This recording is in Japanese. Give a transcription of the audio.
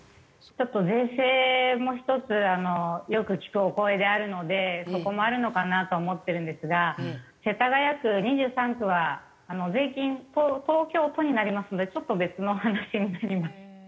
ちょっと税制も一つよく聞くお声であるのでそこもあるのかなと思ってるんですが世田谷区２３区は税金東京都になりますのでちょっと別の話になります。